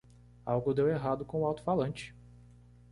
Algo deu errado com o alto-falante.